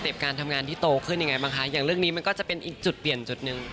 การทำงานที่โตขึ้นยังไงบ้างคะอย่างเรื่องนี้มันก็จะเป็นอีกจุดเปลี่ยนจุดหนึ่ง